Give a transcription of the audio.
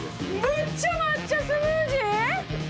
めちゃ抹茶スムージー？